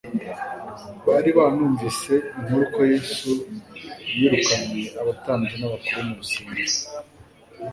Bari banunvise inkuru ko Yesu yirukanye abatambyi n'abakuru mu rusengero